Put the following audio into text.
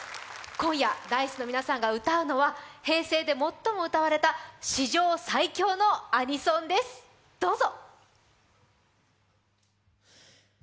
今夜、Ｄａ−ｉＣＥの皆さんが歌うのは平成で最も歌われた史上最強のアニソンです、どうぞ。